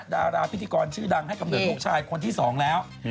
ดาราพิธีกรชื่อดังให้กำเนิดลูกชายคนที่๒แล้ว